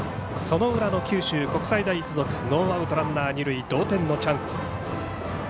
その裏の九州国際大付属ノーアウトランナー、二塁同点のチャンス。